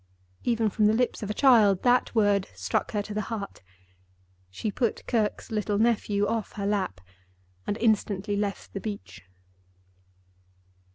Even from the lips of a child that word struck her to the heart. She put Kirke's little nephew off her lap, and instantly left the beach.